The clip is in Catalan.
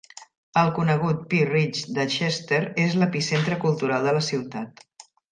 El conegut Pea Ridge de Chester és l'epicentre cultural de la ciutat.